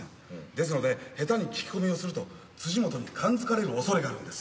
ですので下手に聞き込みをすると辻本に感づかれるおそれがあるんです。